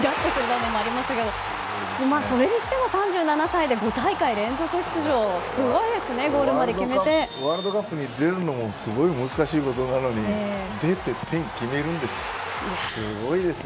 ３７歳で５大会連続出場はワールドカップに出るのもすごい難しいことなのに出て点を決めるんです。